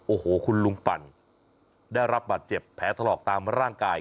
โอ้โหคุณลุงปั่นได้รับบาดเจ็บแผลถลอกตามร่างกาย